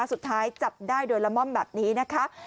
สุดท้ายจับได้โดยละม่อมแบบนี้นะคะ